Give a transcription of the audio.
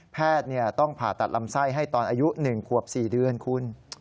แพทย์ต้องผ่าตัดลำไส้ให้ตอนอายุ๑ขวบ๔เดือนคุณ